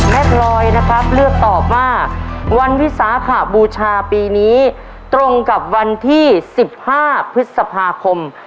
พลอยนะครับเลือกตอบว่าวันวิสาขบูชาปีนี้ตรงกับวันที่๑๕พฤษภาคม